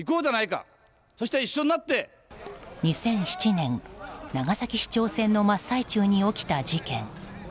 ２００７年長崎市長選の真っ最中に起きた事件。